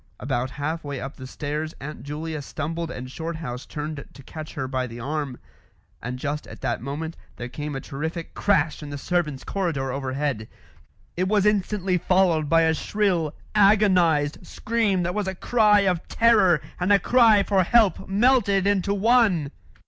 About half way up the stairs Aunt Julia stumbled and Shorthouse turned to catch her by the arm, and just at that moment there came a terrific crash in the servants' corridor overhead. It was instantly followed by a shrill, agonised scream that was a cry of terror and a cry for help melted into one.